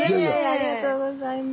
ありがとうございます。